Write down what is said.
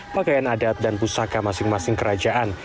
pakaian adat dan pusaka masing masing kerajaan